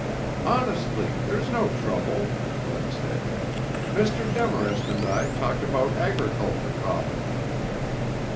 "Honestly there's no trouble," Bud said. "Mr. Demarest and I talked about agriculture college."